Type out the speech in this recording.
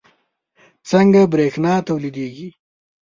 څنګه بریښنا تولیدیږي